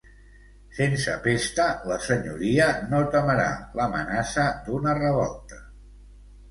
Sense pesta la Senyoria no temerà I'amenaça d'una revolta.